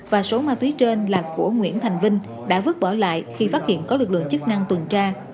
và số ma túy trên là của nguyễn thành vinh đã vứt bỏ lại khi phát hiện có lực lượng chức năng tuần tra